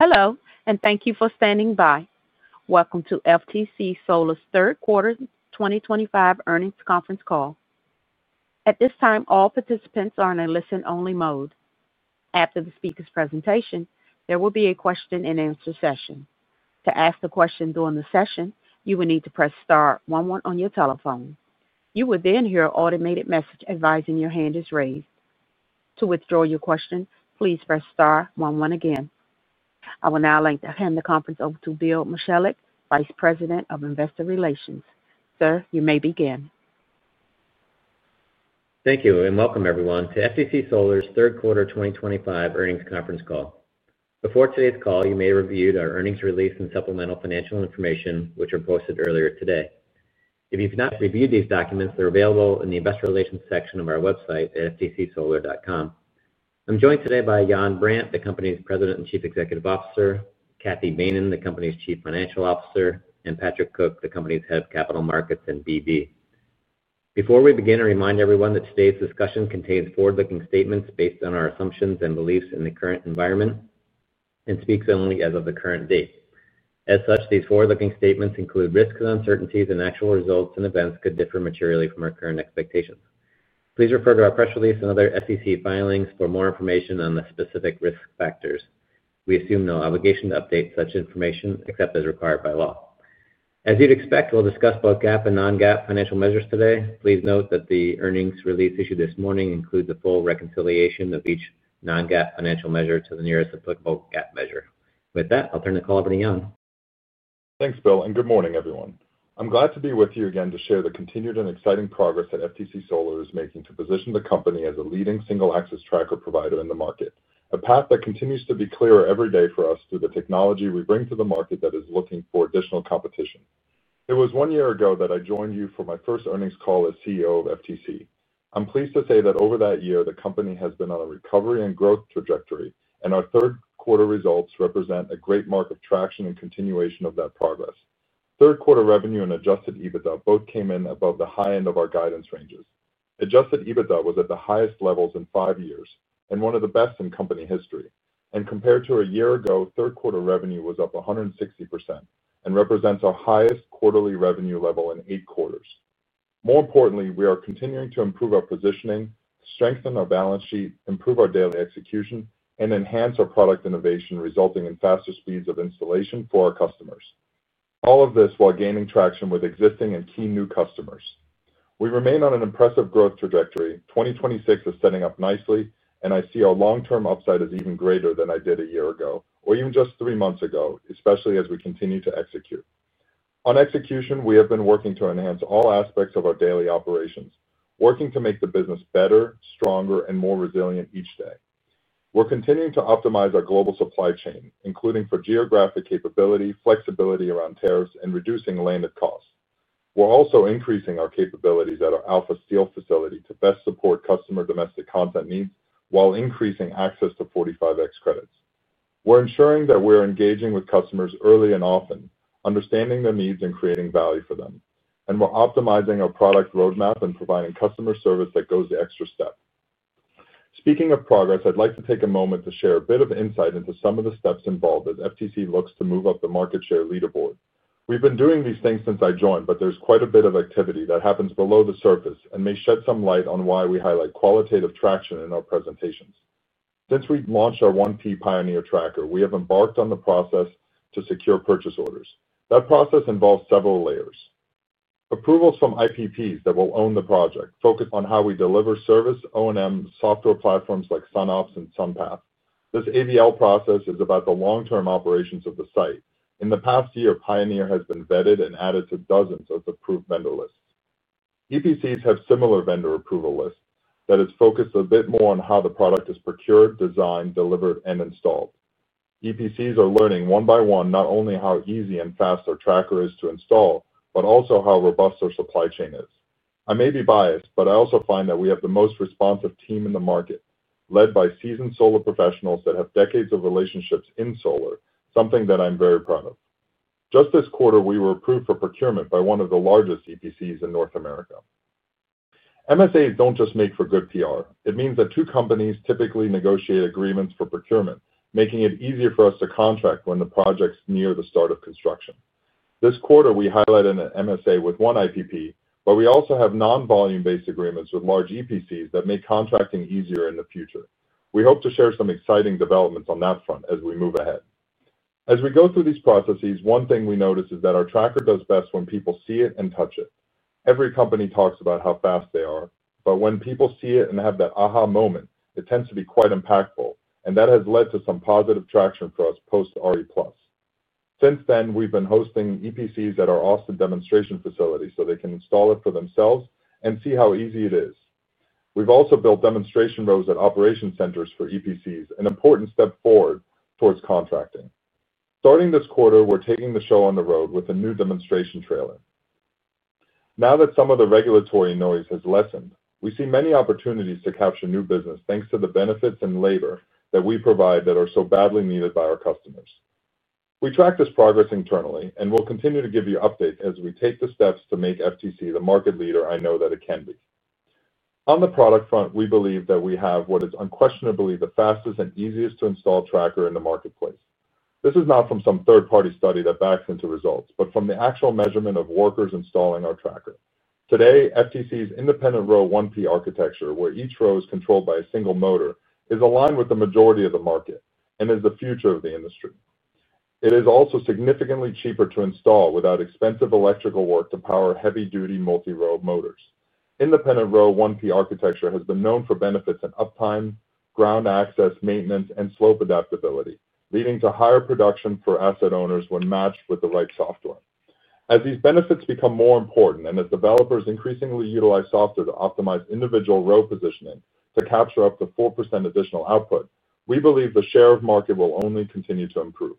Hello, and thank you for standing by. Welcome to FTC Solar's third quarter 2025 earnings conference call. At this time, all participants are in a listen-only mode. After the speaker's presentation, there will be a question-and-answer session. To ask a question during the session, you will need to press star one one on your telephone. You will then hear an automated message advising your hand is raised. To withdraw your question, please press star one one again. I will now hand the conference over to Bill Michalek, Vice President of Investor Relations. Sir, you may begin. Thank you, and welcome everyone to FTC Solar's third quarter 2025 earnings conference call. Before today's call, you may have reviewed our earnings release and supplemental financial information, which were posted earlier today. If you've not reviewed these documents, they're available in the Investor Relations section of our website at ftcsolar.com. I'm joined today by Yann Brandt, the company's President and Chief Executive Officer, Cathy Behnen, the company's Chief Financial Officer, and Patrick Cook, the company's Head of Capital Markets and BV. Before we begin, I remind everyone that today's discussion contains forward-looking statements based on our assumptions and beliefs in the current environment and speaks only as of the current date. As such, these forward-looking statements include risks and uncertainties, and actual results and events could differ materially from our current expectations. Please refer to our press release and other FTC filings for more information on the specific risk factors. We assume no obligation to update such information except as required by law. As you'd expect, we'll discuss both GAAP and non-GAAP financial measures today. Please note that the earnings release issued this morning includes a full reconciliation of each non-GAAP financial measure to the nearest applicable GAAP measure. With that, I'll turn the call over to Yann. Thanks, Bill, and good morning, everyone. I'm glad to be with you again to share the continued and exciting progress that FTC Solar is making to position the company as a leading single-axis tracker provider in the market, a path that continues to be clearer every day for us through the technology we bring to the market that is looking for additional competition. It was one year ago that I joined you for my first earnings call as CEO of FTC. I'm pleased to say that over that year, the company has been on a recovery and growth trajectory, and our third-quarter results represent a great mark of traction and continuation of that progress. Third-quarter revenue and adjusted EBITDA both came in above the high end of our guidance ranges. Adjusted EBITDA was at the highest levels in five years and one of the best in company history. Compared to a year ago, third-quarter revenue was up 160% and represents our highest quarterly revenue level in eight quarters. More importantly, we are continuing to improve our positioning, strengthen our balance sheet, improve our daily execution, and enhance our product innovation, resulting in faster speeds of installation for our customers. All of this while gaining traction with existing and key new customers. We remain on an impressive growth trajectory. 2026 is setting up nicely, and I see our long-term upside is even greater than I did a year ago or even just three months ago, especially as we continue to execute. On execution, we have been working to enhance all aspects of our daily operations, working to make the business better, stronger, and more resilient each day. We're continuing to optimize our global supply chain, including for geographic capability, flexibility around tariffs, and reducing landed costs. We're also increasing our capabilities at our Alpha Steel facility to best support customer domestic content needs while increasing access to 45X credits. We're ensuring that we're engaging with customers early and often, understanding their needs and creating value for them. We're optimizing our product roadmap and providing customer service that goes the extra step. Speaking of progress, I'd like to take a moment to share a bit of insight into some of the steps involved as FTC Solar looks to move up the market share leaderboard. We've been doing these things since I joined, but there's quite a bit of activity that happens below the surface and may shed some light on why we highlight qualitative traction in our presentations. Since we launched our 1P Pioneer Tracker, we have embarked on the process to secure purchase orders. That process involves several layers: approvals from IPPs that will own the project, focus on how we deliver service, O&M, software platforms like SUNOPS and SUNPATH. This AVL process is about the long-term operations of the site. In the past year, Pioneer has been vetted and added to dozens of approved vendor lists. EPCs have similar vendor approval lists that are focused a bit more on how the product is procured, designed, delivered, and installed. EPCs are learning one by one not only how easy and fast our tracker is to install, but also how robust our supply chain is. I may be biased, but I also find that we have the most responsive team in the market, led by seasoned solar professionals that have decades of relationships in solar, something that I'm very proud of. Just this quarter, we were approved for procurement by one of the largest EPCs in North America. MSAs do not just make for good PR. It means that two companies typically negotiate agreements for procurement, making it easier for us to contract when the project's near the start of construction. This quarter, we highlighted an MSA with one IPP, but we also have non-volume-based agreements with large EPCs that make contracting easier in the future. We hope to share some exciting developments on that front as we move ahead. As we go through these processes, one thing we notice is that our tracker does best when people see it and touch it. Every company talks about how fast they are, but when people see it and have that aha moment, it tends to be quite impactful, and that has led to some positive traction for us post-RE+. Since then, we've been hosting EPCs at our Austin demonstration facility so they can install it for themselves and see how easy it is. We've also built demonstration rows at operation centers for EPCs, an important step forward towards contracting. Starting this quarter, we're taking the show on the road with a new demonstration trailer. Now that some of the regulatory noise has lessened, we see many opportunities to capture new business thanks to the benefits and labor that we provide that are so badly needed by our customers. We track this progress internally and will continue to give you updates as we take the steps to make FTC the market leader I know that it can be. On the product front, we believe that we have what is unquestionably the fastest and easiest-to-install tracker in the marketplace. This is not from some third-party study that backs into results, but from the actual measurement of workers installing our tracker. Today, FTC's independent row 1P architecture, where each row is controlled by a single motor, is aligned with the majority of the market and is the future of the industry. It is also significantly cheaper to install without expensive electrical work to power heavy-duty multi-row motors. Independent row 1P architecture has been known for benefits in uptime, ground access, maintenance, and slope adaptability, leading to higher production for asset owners when matched with the right software. As these benefits become more important and as developers increasingly utilize software to optimize individual row positioning to capture up to 4% additional output, we believe the share of market will only continue to improve.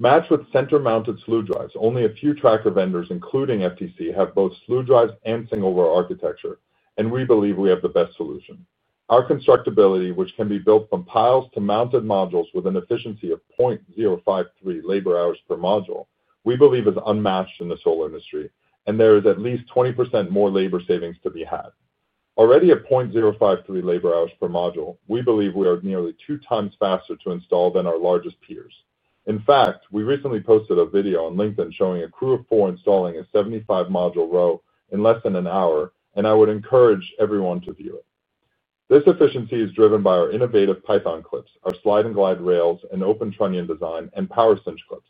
Matched with center-mounted slew drives, only a few tracker vendors, including FTC, have both slew drives and single-row architecture, and we believe we have the best solution. Our constructability, which can be built from piles to mounted modules with an efficiency of 0.053 labor hours per module, we believe is unmatched in the solar industry, and there is at least 20% more labor savings to be had. Already at 0.053 labor hours per module, we believe we are nearly two times faster to install than our largest peers. In fact, we recently posted a video on LinkedIn showing a crew of four installing a 75-module row in less than an hour, and I would encourage everyone to view it. This efficiency is driven by our innovative Python clips, our slide-and-glide rails, and OpenTrunnion design, and PowerSync clips.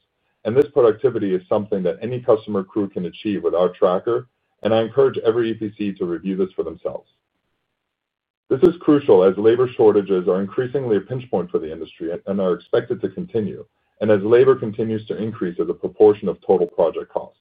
This productivity is something that any customer crew can achieve with our tracker, and I encourage every EPC to review this for themselves. This is crucial as labor shortages are increasingly a pinch point for the industry and are expected to continue, and as labor continues to increase as a proportion of total project cost.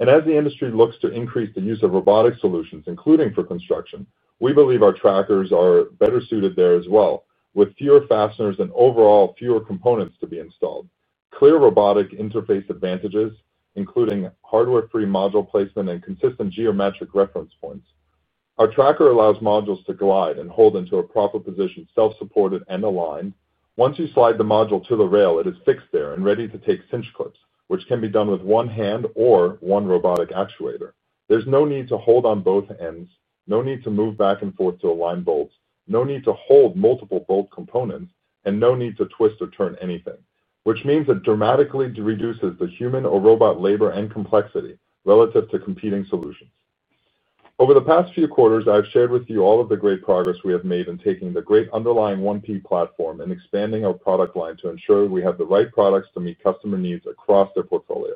As the industry looks to increase the use of robotic solutions, including for construction, we believe our trackers are better suited there as well, with fewer fasteners and overall fewer components to be installed. Clear robotic interface advantages, including hardware-free module placement and consistent geometric reference points. Our tracker allows modules to glide and hold into a proper position, self-supported and aligned. Once you slide the module to the rail, it is fixed there and ready to take cinch clips, which can be done with one hand or one robotic actuator. There's no need to hold on both ends, no need to move back and forth to align bolts, no need to hold multiple bolt components, and no need to twist or turn anything, which means it dramatically reduces the human or robot labor and complexity relative to competing solutions. Over the past few quarters, I've shared with you all of the great progress we have made in taking the great underlying 1P platform and expanding our product line to ensure we have the right products to meet customer needs across their portfolio.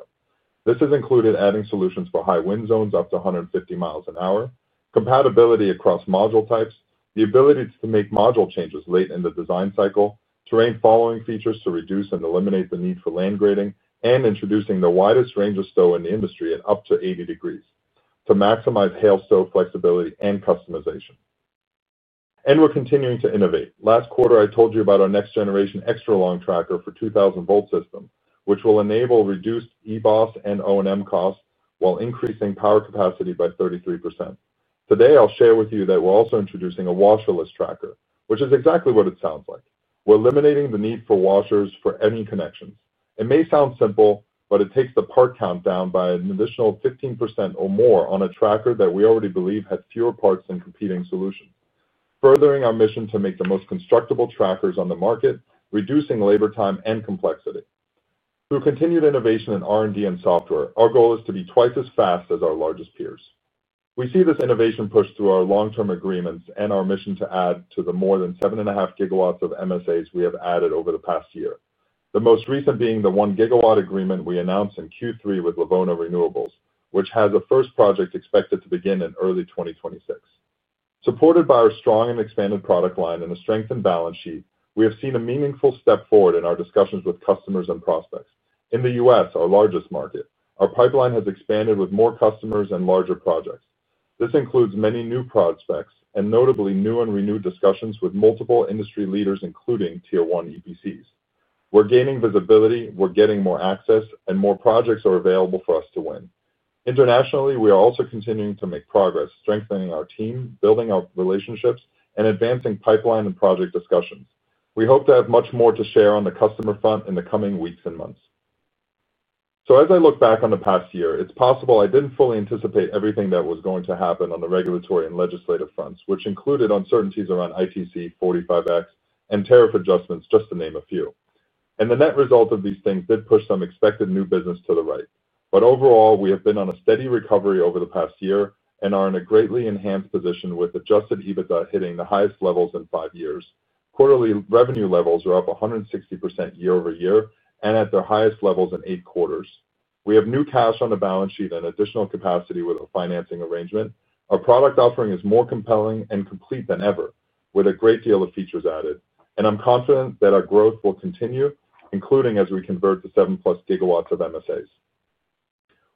This has included adding solutions for high wind zones up to 150 mi an hour, compatibility across module types, the ability to make module changes late in the design cycle, terrain-following features to reduce and eliminate the need for land grading, and introducing the widest range of stow in the industry at up to 80 degrees to maximize hail stow flexibility and customization. We are continuing to innovate. Last quarter, I told you about our next-generation extra-long tracker for 2000-volt systems, which will enable reduced EBOS and O&M costs while increasing power capacity by 33%. Today, I'll share with you that we're also introducing a washerless tracker, which is exactly what it sounds like. We're eliminating the need for washers for any connections. It may sound simple, but it takes the part count down by an additional 15% or more on a tracker that we already believe has fewer parts than competing solutions, furthering our mission to make the most constructable trackers on the market, reducing labor time and complexity. Through continued innovation in R&D and software, our goal is to be twice as fast as our largest peers. We see this innovation push through our long-term agreements and our mission to add to the more than 7.5 GW of MSAs we have added over the past year, the most recent being the 1 GW agreement we announced in Q3 with Levona Renewables, which has a first project expected to begin in early 2026. Supported by our strong and expanded product line and a strengthened balance sheet, we have seen a meaningful step forward in our discussions with customers and prospects. In the U.S., our largest market, our pipeline has expanded with more customers and larger projects. This includes many new prospects and notably new and renewed discussions with multiple industry leaders, including tier-one EPCs. We're gaining visibility, we're getting more access, and more projects are available for us to win. Internationally, we are also continuing to make progress, strengthening our team, building our relationships, and advancing pipeline and project discussions. We hope to have much more to share on the customer front in the coming weeks and months. As I look back on the past year, it's possible I didn't fully anticipate everything that was going to happen on the regulatory and legislative fronts, which included uncertainties around ITC, 45X, and tariff adjustments, just to name a few. The net result of these things did push some expected new business to the right. Overall, we have been on a steady recovery over the past year and are in a greatly enhanced position with adjusted EBITDA hitting the highest levels in five years. Quarterly revenue levels are up 160% year over year and at their highest levels in eight quarters. We have new cash on the balance sheet and additional capacity with a financing arrangement. Our product offering is more compelling and complete than ever, with a great deal of features added. I'm confident that our growth will continue, including as we convert to 7+ GW of MSAs.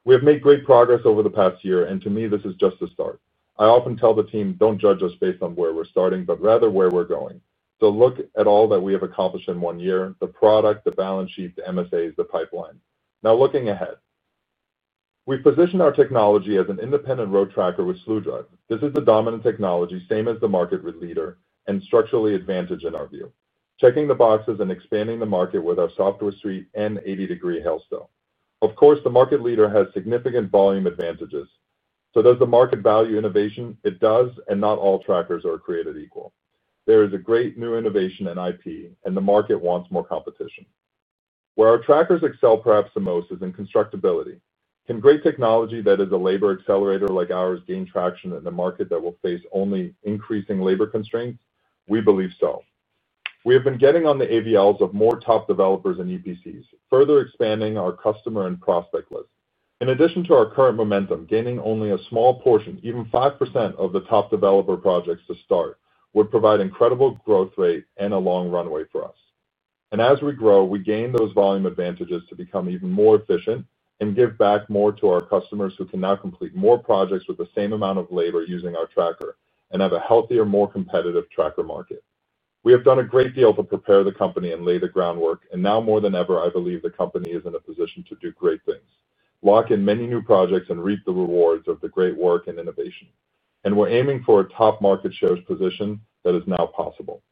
We have made great progress over the past year, and to me, this is just the start. I often tell the team, "Don't judge us based on where we're starting, but rather where we're going." So look at all that we have accomplished in one year: the product, the balance sheet, the MSAs, the pipeline. Now looking ahead, we've positioned our technology as an independent row tracker with slew drives. This is the dominant technology, same as the market leader, and structurally advantage in our view, checking the boxes and expanding the market with our software suite and 80-degree hail stow. Of course, the market leader has significant volume advantages. So does the market value innovation? It does, and not all trackers are created equal. There is a great new innovation in IP, and the market wants more competition. Where our trackers excel perhaps the most is in constructability. Can great technology that is a labor accelerator like ours gain traction in a market that will face only increasing labor constraints? We believe so. We have been getting on the AVLs of more top developers and EPCs, further expanding our customer and prospect list. In addition to our current momentum, gaining only a small portion, even 5% of the top developer projects to start, would provide incredible growth rate and a long runway for us. As we grow, we gain those volume advantages to become even more efficient and give back more to our customers who can now complete more projects with the same amount of labor using our tracker and have a healthier, more competitive tracker market. We have done a great deal to prepare the company and lay the groundwork, and now more than ever, I believe the company is in a position to do great things, lock in many new projects, and reap the rewards of the great work and innovation. We are aiming for a top market share position that is now possible.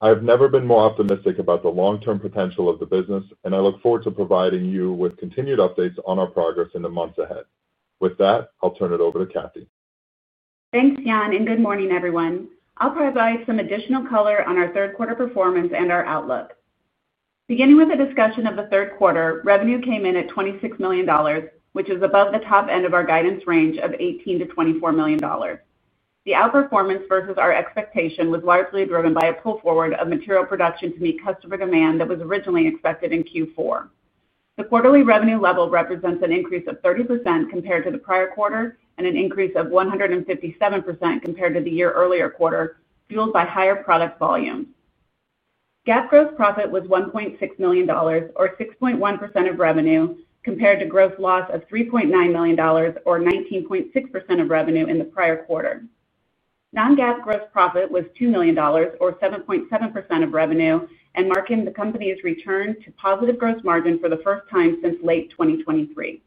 I have never been more optimistic about the long-term potential of the business, and I look forward to providing you with continued updates on our progress in the months ahead. With that, I'll turn it over to Cathy. Thanks, Yann, and good morning, everyone. I'll provide some additional color on our third-quarter performance and our outlook. Beginning with the discussion of the third quarter, revenue came in at $26 million, which is above the top end of our guidance range of $18 million-$24 million. The outperformance versus our expectation was largely driven by a pull forward of material production to meet customer demand that was originally expected in Q4. The quarterly revenue level represents an increase of 30% compared to the prior quarter and an increase of 157% compared to the year earlier quarter, fueled by higher product volumes. GAAP gross profit was $1.6 million, or 6.1% of revenue, compared to gross loss of $3.9 million, or 19.6% of revenue in the prior quarter. Non-GAAP gross profit was $2 million, or 7.7% of revenue, marking the company's return to positive gross margin for the first time since late 2023.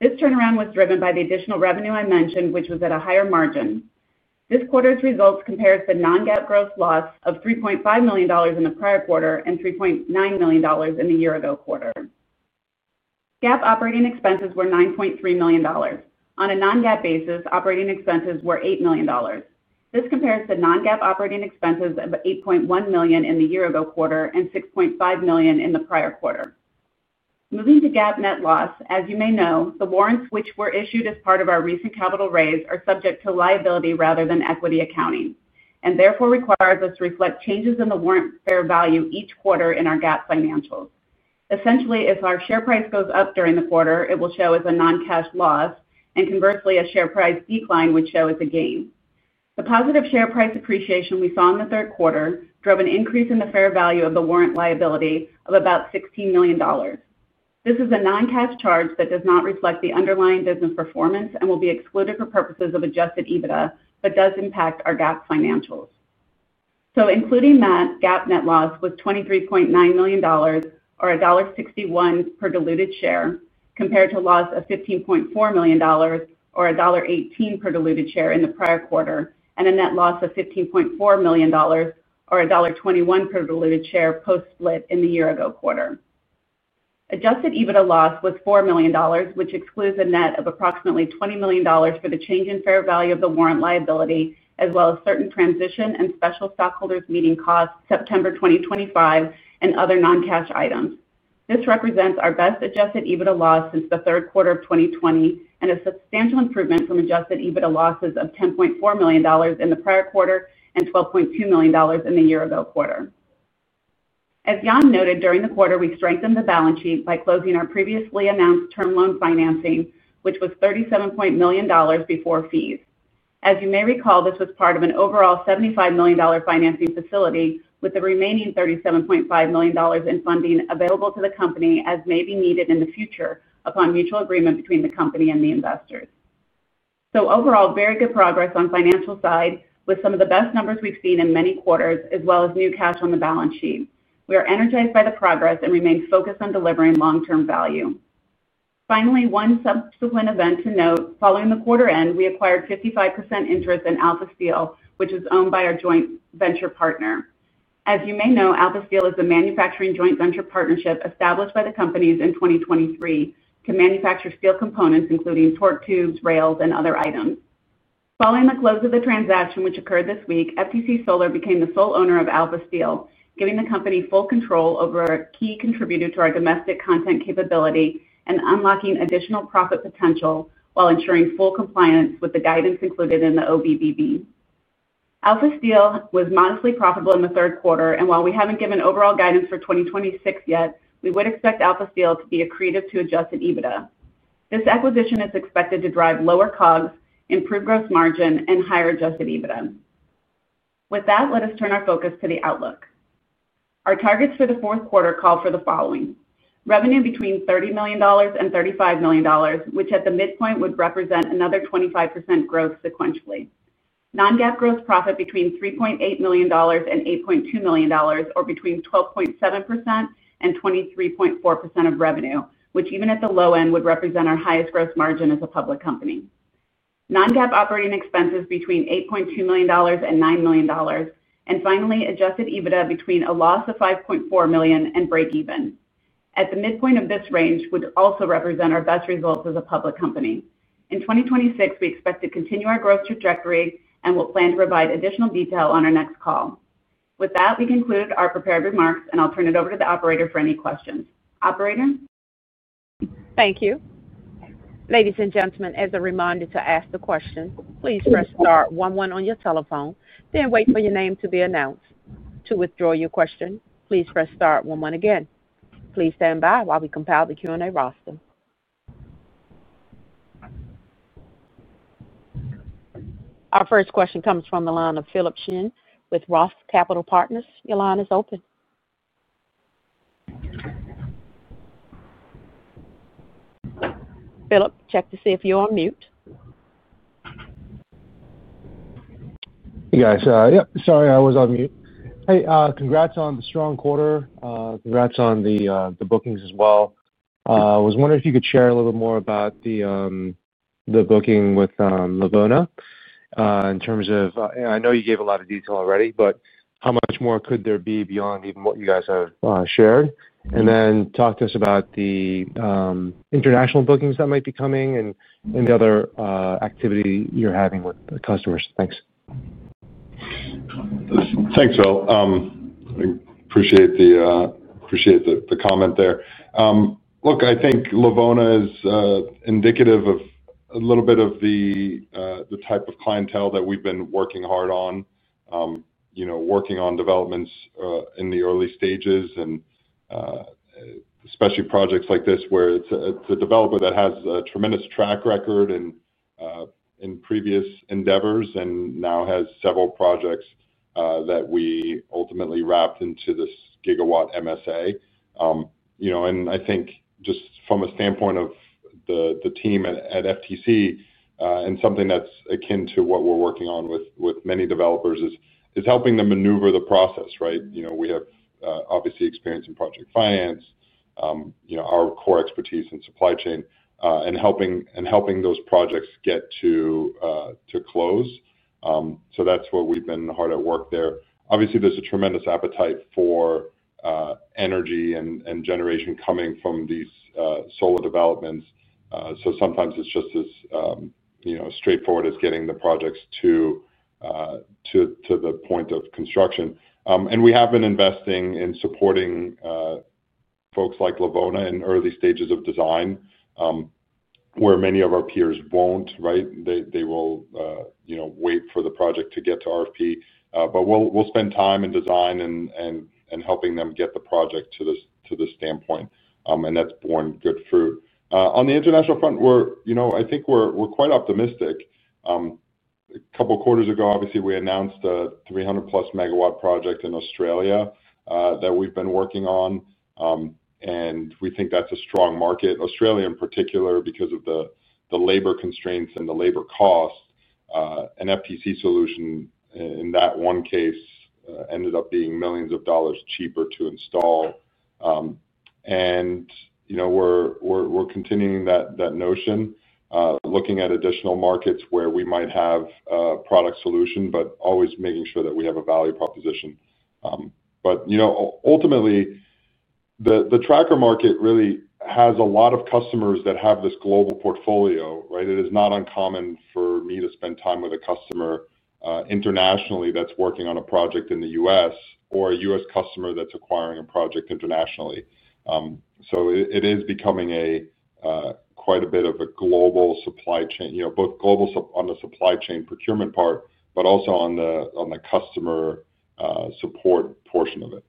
This turnaround was driven by the additional revenue I mentioned, which was at a higher margin. This quarter's results compare to the non-GAAP gross loss of $3.5 million in the prior quarter and $3.9 million in the year-ago quarter. GAAP operating expenses were $9.3 million. On a non-GAAP basis, operating expenses were $8 million. This compares to non-GAAP operating expenses of $8.1 million in the year-ago quarter and $6.5 million in the prior quarter. Moving to GAAP net loss, as you may know, the warrants which were issued as part of our recent capital raise are subject to liability rather than equity accounting, and therefore require us to reflect changes in the warrant fair value each quarter in our GAAP financials. Essentially, if our share price goes up during the quarter, it will show as a non-cash loss, and conversely, a share price decline would show as a gain. The positive share price appreciation we saw in the third quarter drove an increase in the fair value of the warrant liability of about $16 million. This is a non-cash charge that does not reflect the underlying business performance and will be excluded for purposes of adjusted EBITDA, but does impact our GAAP financials. Including that, GAAP net loss was $23.9 million, or $1.61 per diluted share, compared to loss of $15.4 million, or $1.18 per diluted share in the prior quarter, and a net loss of $15.4 million, or $1.21 per diluted share post-split in the year-ago quarter. Adjusted EBITDA loss was $4 million, which excludes a net of approximately $20 million for the change in fair value of the warrant liability, as well as certain transition and special stockholders meeting costs, September 2025, and other non-cash items. This represents our best adjusted EBITDA loss since the third quarter of 2020 and a substantial improvement from adjusted EBITDA losses of $10.4 million in the prior quarter and $12.2 million in the year-ago quarter. As Yann noted, during the quarter, we strengthened the balance sheet by closing our previously announced term loan financing, which was $37.0 million before fees. As you may recall, this was part of an overall $75 million financing facility, with the remaining $37.5 million in funding available to the company as may be needed in the future upon mutual agreement between the company and the investors. Overall, very good progress on the financial side, with some of the best numbers we've seen in many quarters, as well as new cash on the balance sheet. We are energized by the progress and remain focused on delivering long-term value. Finally, one subsequent event to note: following the quarter end, we acquired 55% interest in Alpha Steel, which is owned by our joint venture partner. As you may know, Alpha Steel is the manufacturing joint venture partnership established by the companies in 2023 to manufacture steel components, including torque tubes, rails, and other items. Following the close of the transaction, which occurred this week, FTC Solar became the sole owner of Alpha Steel, giving the company full control over a key contributor to our domestic content capability and unlocking additional profit potential while ensuring full compliance with the guidance included in the OBBB. Alpha Steel was modestly profitable in the third quarter, and while we haven't given overall guidance for 2026 yet, we would expect Alpha Steel to be accretive to adjusted EBITDA. This acquisition is expected to drive lower COGS, improve gross margin, and higher adjusted EBITDA. With that, let us turn our focus to the outlook. Our targets for the fourth quarter call for the following: revenue between $30 million and $35 million, which at the midpoint would represent another 25% growth sequentially; non-GAAP gross profit between $3.8 million and $8.2 million, or between 12.7% and 23.4% of revenue, which even at the low end would represent our highest gross margin as a public company; non-GAAP operating expenses between $8.2 million and $9 million; and finally, adjusted EBITDA between a loss of $5.4 million and breakeven. At the midpoint of this range would also represent our best results as a public company. In 2026, we expect to continue our growth trajectory and will plan to provide additional detail on our next call. With that, we conclude our prepared remarks, and I'll turn it over to the operator for any questions. Operator? Thank you. Ladies and gentlemen, as a reminder to ask the question, please press star one one on your telephone, then wait for your name to be announced. To withdraw your question, please press star one one again. Please stand by while we compile the Q&A roster. Our first question comes from the line of Philip Shen with Roth Capital Partners. Your line is open. Philip, check to see if you're on mute. Hey, guys. Yep, sorry, I was on mute. Hey, congrats on the strong quarter. Congrats on the bookings as well. I was wondering if you could share a little bit more about the booking with Levona in terms of, and I know you gave a lot of detail already, but how much more could there be beyond even what you guys have shared? Talk to us about the international bookings that might be coming and the other activity you're having with the customers. Thanks. Thanks, Phil. I appreciate the comment there. Look, I think Levona is indicative of a little bit of the type of clientele that we've been working hard on, working on developments in the early stages, and especially projects like this where it's a developer that has a tremendous track record in previous endeavors and now has several projects that we ultimately wrapped into this gigawatt MSA. I think just from a standpoint of the team at FTC and something that's akin to what we're working on with many developers is helping them maneuver the process, right? We have obviously experience in project finance, our core expertise in supply chain, and helping those projects get to close. That's what we've been hard at work there. Obviously, there's a tremendous appetite for energy and generation coming from these solar developments. Sometimes it's just as straightforward as getting the projects to the point of construction. We have been investing in supporting folks like Levona in early stages of design, where many of our peers won't, right? They will wait for the project to get to RFP. We'll spend time in design and helping them get the project to the standpoint, and that's borne good fruit. On the international front, I think we're quite optimistic. A couple of quarters ago, obviously, we announced a 300+ MW project in Australia that we've been working on, and we think that's a strong market. Australia, in particular, because of the labor constraints and the labor cost, an FTC solution in that one case ended up being millions of dollars cheaper to install. We are continuing that notion, looking at additional markets where we might have a product solution, but always making sure that we have a value proposition. Ultimately, the tracker market really has a lot of customers that have this global portfolio, right? It is not uncommon for me to spend time with a customer internationally that is working on a project in the U.S. or a U.S. customer that is acquiring a project internationally. It is becoming quite a bit of a global supply chain, both global on the supply chain procurement part, but also on the customer support portion of it.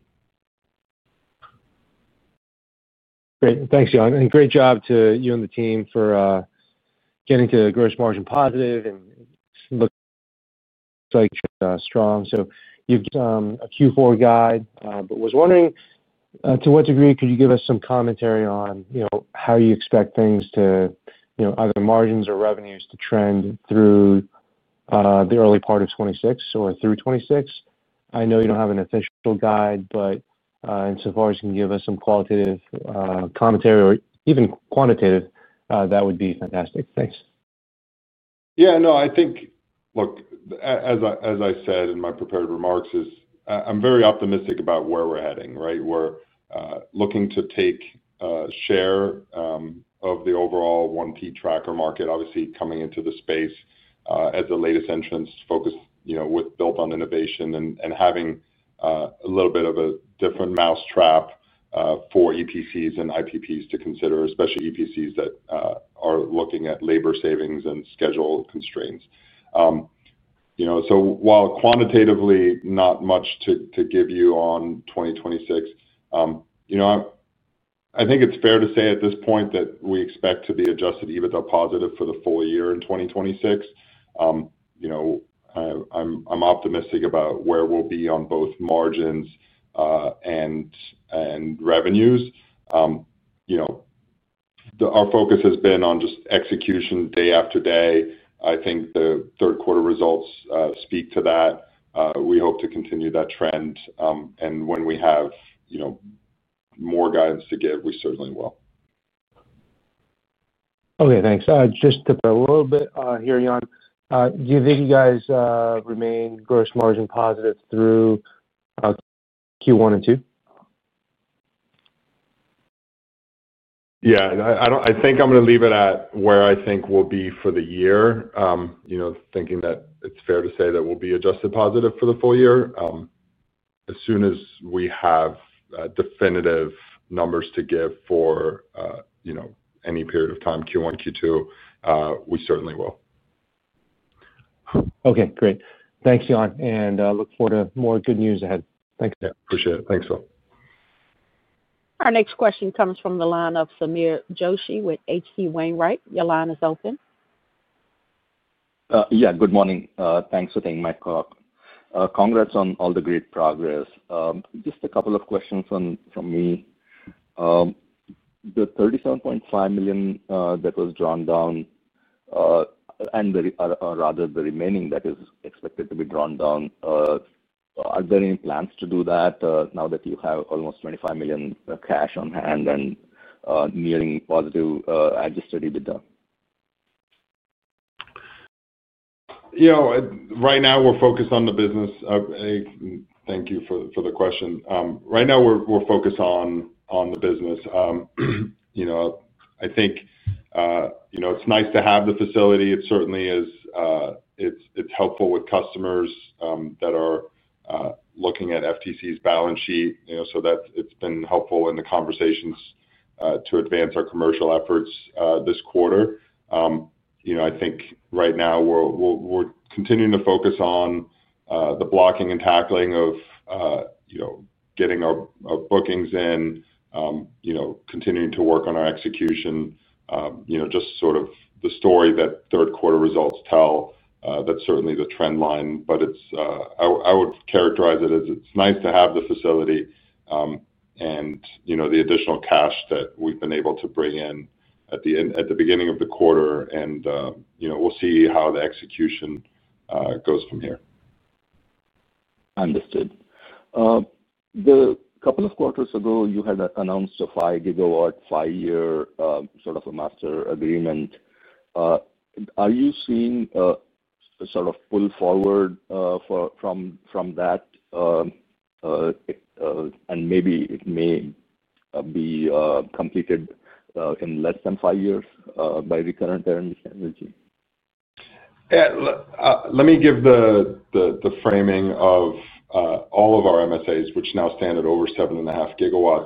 Great. Thanks, Yann. And great job to you and the team for getting to gross margin positive and looking strong. You have given a Q4 guide, but was wondering to what degree could you give us some commentary on how you expect things to, either margins or revenues, to trend through the early part of 2026 or through 2026? I know you do not have an official guide, but insofar as you can give us some qualitative commentary or even quantitative, that would be fantastic. Thanks. Yeah. No, I think, look, as I said in my prepared remarks, I'm very optimistic about where we're heading, right? We're looking to take a share of the overall 1P tracker market, obviously coming into the space as the latest entrance focused with built on innovation and having a little bit of a different mousetrap for EPCs and IPPs to consider, especially EPCs that are looking at labor savings and schedule constraints. While quantitatively not much to give you on 2026, I think it's fair to say at this point that we expect to be adjusted EBITDA positive for the full year in 2026. I'm optimistic about where we'll be on both margins and revenues. Our focus has been on just execution day after day. I think the third quarter results speak to that. We hope to continue that trend. When we have more guidance to give, we certainly will. Okay. Thanks. Just a little bit here, Yann. Do you think you guys remain gross margin positive through Q1 and Q2? Yeah. I think I'm going to leave it at where I think we'll be for the year, thinking that it's fair to say that we'll be adjusted positive for the full year. As soon as we have definitive numbers to give for any period of time, Q1, Q2, we certainly will. Okay. Great. Thanks, Yann. And look forward to more good news ahead. Thanks. Yeah. Appreciate it. Thanks, Phil. Our next question comes from the line of Sameer Joshi with H.C. Wainwright. Your line is open. Yeah. Good morning. Thanks for taking my call. Congrats on all the great progress. Just a couple of questions from me. The $37.5 million that was drawn down, and rather the remaining that is expected to be drawn down, are there any plans to do that now that you have almost $25 million cash on hand and nearing positive adjusted EBITDA? Right now, we're focused on the business. Thank you for the question. I think it's nice to have the facility. It certainly is helpful with customers that are looking at FTC's balance sheet. It has been helpful in the conversations to advance our commercial efforts this quarter. I think right now, we're continuing to focus on the blocking and tackling of getting our bookings in, continuing to work on our execution, just sort of the story that third quarter results tell. That is certainly the trend line. I would characterize it as it's nice to have the facility and the additional cash that we've been able to bring in at the beginning of the quarter. We'll see how the execution goes from here. Understood. A couple of quarters ago, you had announced a 5 GW, five-year sort of a master agreement. Are you seeing sort of pull forward from that? And maybe it may be completed in less than five years by Recurrent Energy? Yeah. Let me give the framing of all of our MSAs, which now stand at over 7.5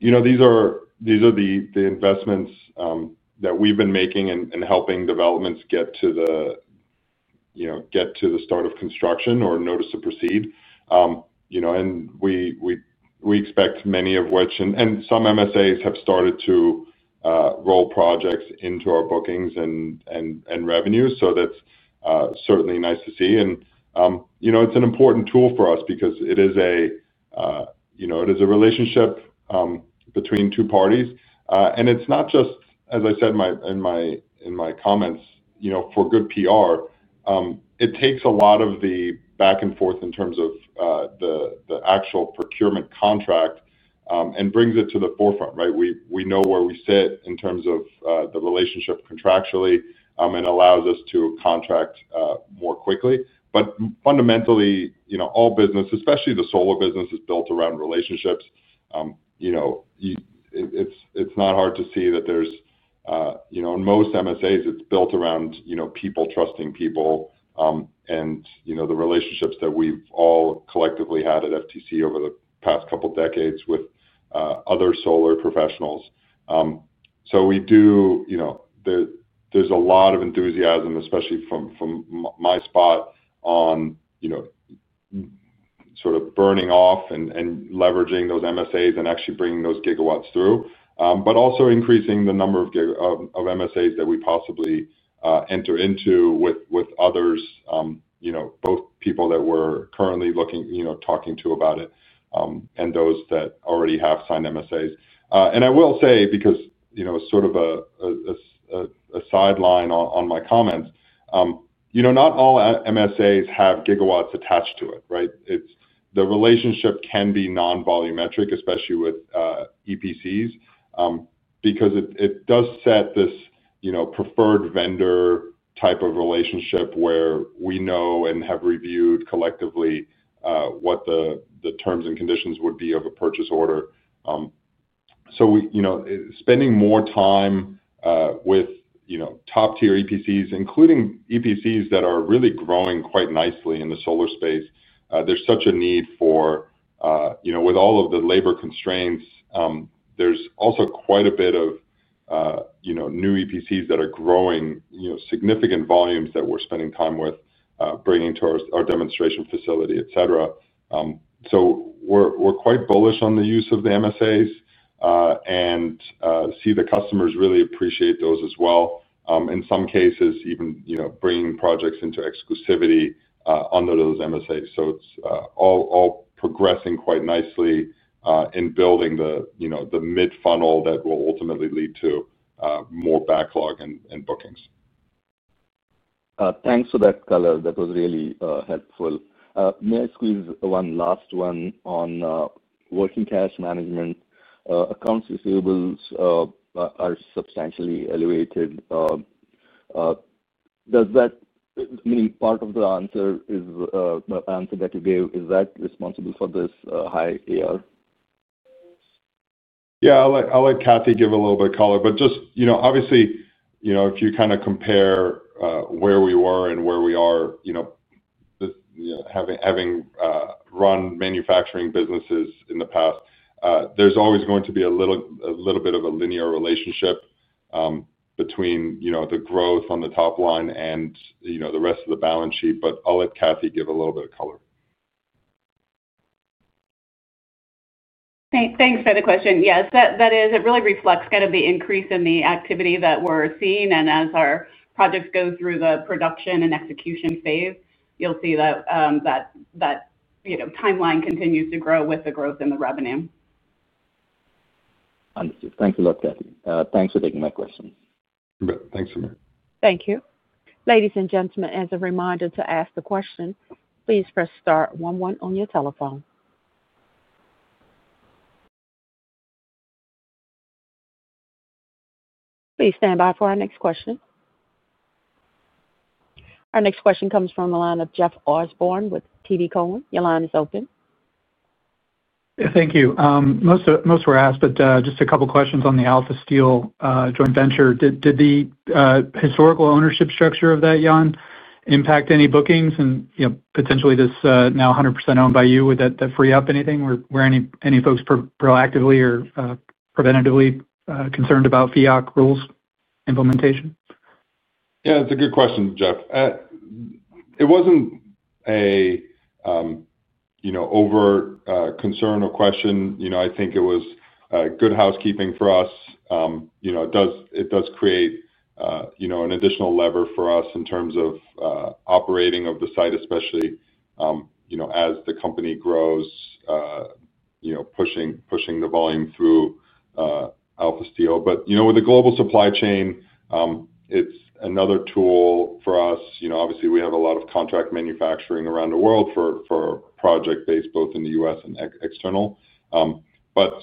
GW. These are the investments that we've been making and helping developments get to the start of construction or notice to proceed. We expect many of which, and some MSAs have started to roll projects into our bookings and revenue. That's certainly nice to see. It's an important tool for us because it is a relationship between two parties. It's not just, as I said in my comments, for good PR. It takes a lot of the back and forth in terms of the actual procurement contract and brings it to the forefront, right? We know where we sit in terms of the relationship contractually and allows us to contract more quickly. Fundamentally, all business, especially the solar business, is built around relationships. It's not hard to see that there's, in most MSAs, it's built around people trusting people and the relationships that we've all collectively had at FTC Solar over the past couple of decades with other solar professionals. So we do, there's a lot of enthusiasm, especially from my spot on sort of burning off and leveraging those MSAs and actually bringing those gigawatts through, but also increasing the number of MSAs that we possibly enter into with others, both people that we're currently talking to about it and those that already have signed MSAs. And I will say, because it's sort of a sideline on my comments, not all MSAs have gigawatts attached to it, right? The relationship can be non-volumetric, especially with EPCs, because it does set this preferred vendor type of relationship where we know and have reviewed collectively what the terms and conditions would be of a purchase order. Spending more time with top-tier EPCs, including EPCs that are really growing quite nicely in the solar space, there's such a need for, with all of the labor constraints, there's also quite a bit of new EPCs that are growing significant volumes that we're spending time with, bringing to our demonstration facility, etc. We're quite bullish on the use of the MSAs and see the customers really appreciate those as well. In some cases, even bringing projects into exclusivity under those MSAs. It's all progressing quite nicely in building the mid-funnel that will ultimately lead to more backlog and bookings. Thanks for that, Color. That was really helpful. May I squeeze one last one on working cash management? Accounts receivables are substantially elevated. Does that mean part of the answer is the answer that you gave? Is that responsible for this high Yeah. I'll let Cathy give a little bit of color. Obviously, if you kind of compare where we were and where we are, having run manufacturing businesses in the past, there's always going to be a little bit of a linear relationship between the growth on the top line and the rest of the balance sheet. I'll let Cathy give a little bit of color. Thanks for the question. Yes, that really reflects kind of the increase in the activity that we're seeing. As our projects go through the production and execution phase, you'll see that timeline continues to grow with the growth in the revenue. Understood. Thanks a lot, Cathy. Thanks for taking my question. Thanks, Sameer. Thank you. Ladies and gentlemen, as a reminder to ask the question, please press star one-one on your telephone. Please stand by for our next question. Our next question comes from the line of Jeff Osborne with TD Cowen. Your line is open. Thank you. Most were asked, but just a couple of questions on the Alpha Steel joint venture. Did the historical ownership structure of that, Yann, impact any bookings? And potentially, this now 100% owned by you, would that free up anything? Were any folks proactively or preventatively concerned about FIAC rules implementation? Yeah. It's a good question, Jeff. It wasn't an overt concern or question. I think it was good housekeeping for us. It does create an additional lever for us in terms of operating of the site, especially as the company grows, pushing the volume through Alpha Steel. With the global supply chain, it's another tool for us. Obviously, we have a lot of contract manufacturing around the world for project-based, both in the U.S. and external.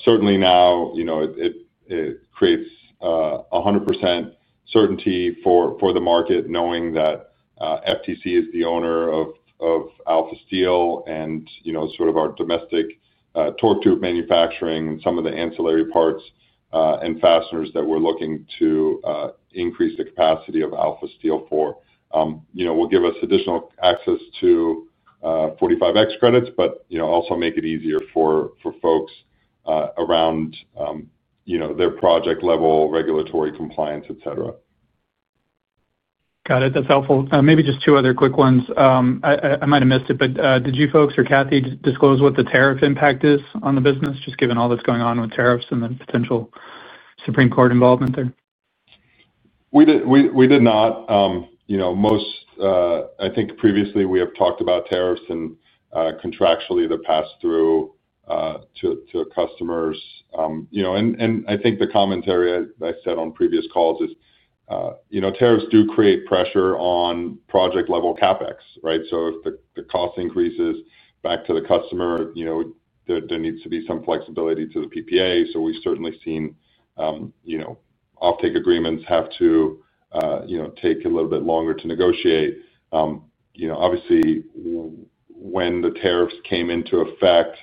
Certainly now, it creates 100% certainty for the market, knowing that FTC is the owner of Alpha Steel and sort of our domestic torque tube manufacturing and some of the ancillary parts and fasteners that we're looking to increase the capacity of Alpha Steel for. It will give us additional access to 45X credits, but also make it easier for folks around their project level, regulatory compliance, etc. Got it. That's helpful. Maybe just two other quick ones. I might have missed it, but did you folks or Cathy disclose what the tariff impact is on the business, just given all that's going on with tariffs and the potential Supreme Court involvement there? We did not. Most, I think previously, we have talked about tariffs and contractually the pass-through to customers. I think the commentary I said on previous calls is tariffs do create pressure on project-level CapEx, right? If the cost increases back to the customer, there needs to be some flexibility to the PPA. We've certainly seen offtake agreements have to take a little bit longer to negotiate. Obviously, when the tariffs came into effect,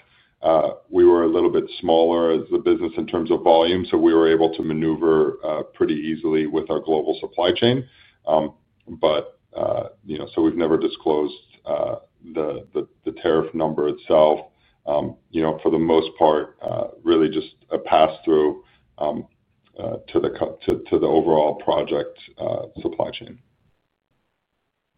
we were a little bit smaller as a business in terms of volume. We were able to maneuver pretty easily with our global supply chain. We've never disclosed the tariff number itself for the most part, really just a pass-through to the overall project supply chain.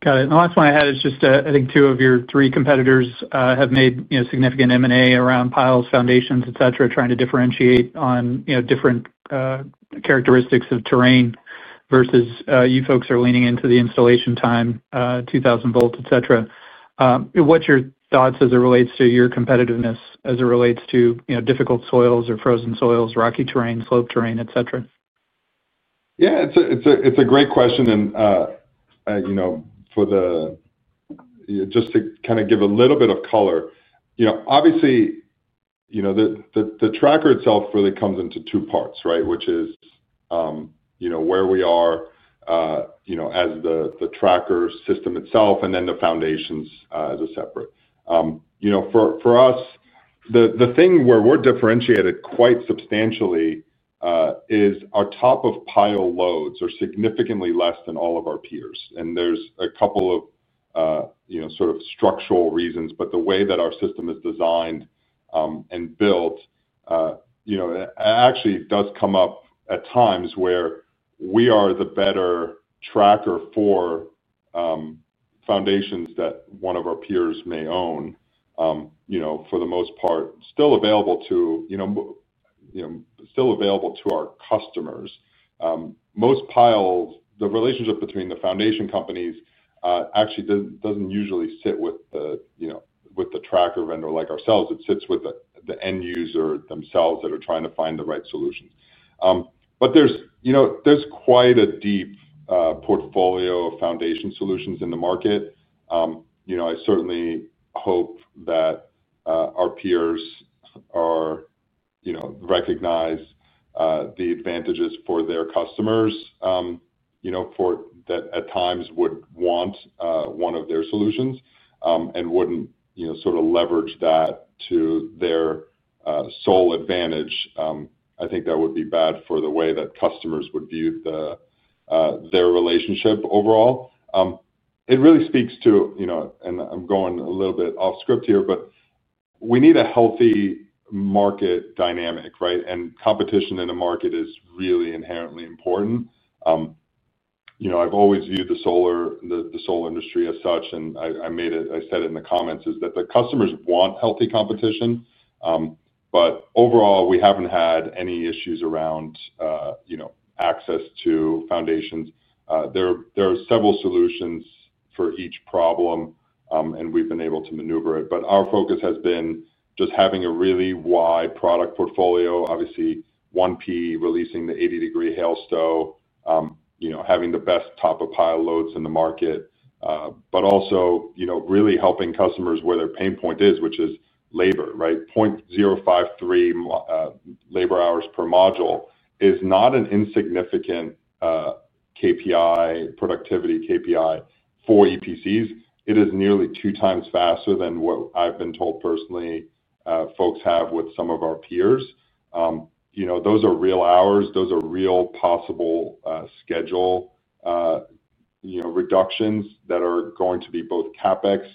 Got it. The last one I had is just, I think, two of your three competitors have made significant M&A around piles, foundations, etc., trying to differentiate on different characteristics of terrain versus you folks are leaning into the installation time, 2000 volts, etc. What are your thoughts as it relates to your competitiveness as it relates to difficult soils or frozen soils, rocky terrain, slope terrain, etc.? Yeah. It's a great question. Just to kind of give a little bit of color, obviously, the tracker itself really comes into two parts, right, which is where we are as the tracker system itself and then the foundations as a separate. For us, the thing where we're differentiated quite substantially is our top-of-pile loads are significantly less than all of our peers. There's a couple of sort of structural reasons. The way that our system is designed and built actually does come up at times where we are the better tracker for foundations that one of our peers may own. For the most part, still available to our customers. Most piles, the relationship between the foundation companies actually doesn't usually sit with the tracker vendor like ourselves. It sits with the end user themselves that are trying to find the right solutions. There is quite a deep portfolio of foundation solutions in the market. I certainly hope that our peers recognize the advantages for their customers that at times would want one of their solutions and would not sort of leverage that to their sole advantage. I think that would be bad for the way that customers would view their relationship overall. It really speaks to, and I am going a little bit off script here, but we need a healthy market dynamic, right? Competition in a market is really inherently important. I have always viewed the solar industry as such, and I said it in the comments, is that the customers want healthy competition. Overall, we have not had any issues around access to foundations. There are several solutions for each problem, and we have been able to maneuver it. Our focus has been just having a really wide product portfolio, obviously 1P releasing the 80-degree hail stow, having the best top-of-pile loads in the market, but also really helping customers where their pain point is, which is labor, right? 0.053 labor hours per module is not an insignificant KPI, productivity KPI for EPCs. It is nearly two times faster than what I've been told personally folks have with some of our peers. Those are real hours. Those are real possible schedule reductions that are going to be both CapEx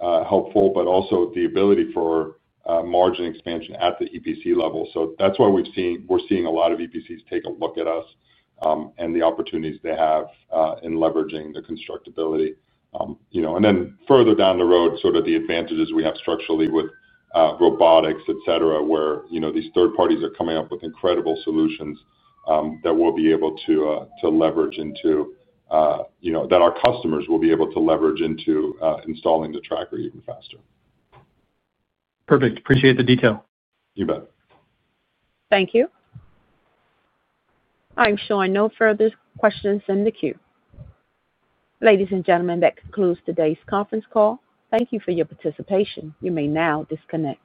helpful, but also the ability for margin expansion at the EPC level. That is why we are seeing a lot of EPCs take a look at us and the opportunities they have in leveraging the constructability. Further down the road, sort of the advantages we have structurally with robotics, etc., where these third parties are coming up with incredible solutions that we'll be able to leverage into that our customers will be able to leverage into installing the tracker even faster. Perfect. Appreciate the detail. You bet. Thank you. I'm sure no further questions in the queue. Ladies and gentlemen, that concludes today's conference call. Thank you for your participation. You may now disconnect.